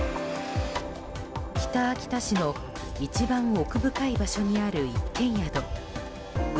北秋田市の一番奥深い場所にある一軒宿打